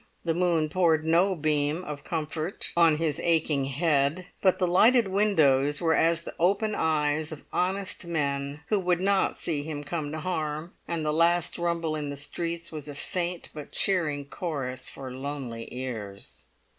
The moon poured no beam of comfort on his aching head; but the lighted windows were as the open eyes of honest men, who would not see him come to harm; and the last rumble in the streets was a faint but cheering chorus for lonely ears.